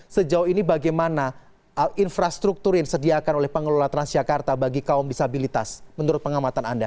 sejauh ini bagaimana infrastruktur yang disediakan oleh pengelola transjakarta bagi kaum disabilitas menurut pengamatan anda